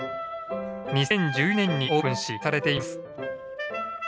２０１１年にオープンし無料で公開されています。